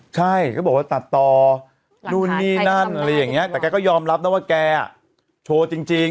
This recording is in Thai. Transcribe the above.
ใช่เขาบอกว่าตัดต่อนู่นนี่นั่นอะไรอย่างนี้แต่แกก็ยอมรับนะว่าแกโชว์จริง